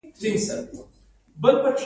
د چنګیز د قبر د پټ ساتلو په غرض